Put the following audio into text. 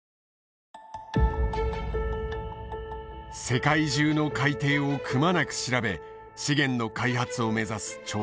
世界中の海底をくまなく調べ資源の開発を目指す調査船。